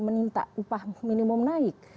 menimpa upah minimum naik